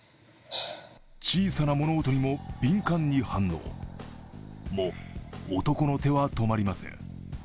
小さな物音にも敏感に反応も、男の手は止まりません。